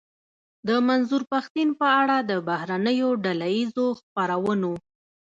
د منظور پښتين په اړه د بهرنيو ډله ايزو خپرونو.